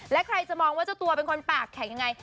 และใครจะมองว่าเจ้าตัวเป็นคนปากแข็งยังไง